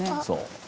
そう。